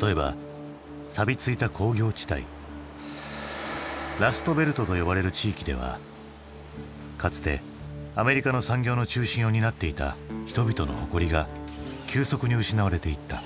例えばさびついた工業地帯ラストベルトと呼ばれる地域ではかつてアメリカの産業の中心を担っていた人々の誇りが急速に失われていった。